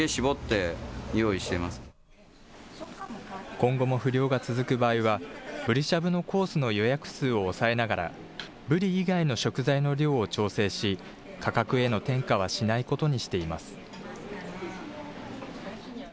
今後も不漁が続く場合は、ブリしゃぶのコースの予約数を抑えながら、ブリ以外の食材の量を調整し、価格への転嫁はしないことにしています。